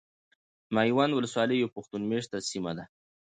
ميوند ولسوالي يو پښتون ميشته سيمه ده .